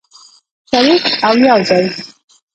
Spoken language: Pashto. شریک او یوځای.